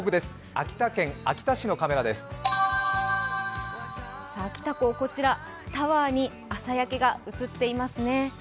秋田港、タワーに朝焼けが映っていますね。